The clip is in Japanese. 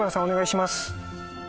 お願いします